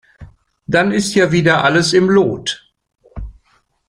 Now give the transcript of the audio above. Dann ist ja wieder alles im Lot.